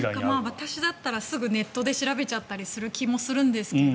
私だったらすぐネットで調べちゃう気もするんですけど